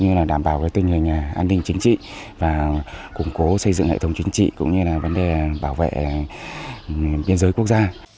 như là đảm bảo tình hình an ninh chính trị và củng cố xây dựng hệ thống